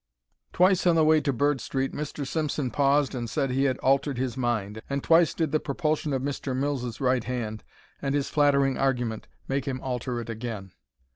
Twice on the way to Bird Street Mr. Simpson paused and said he had altered his mind, and twice did the propulsion of Mr. Mills's right hand, and his flattering argument, make him alter it again.